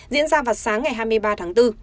diễn ra vào sáng ngày hai mươi ba tháng bốn